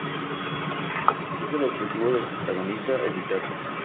Es el objetivo del protagonista evitarlo.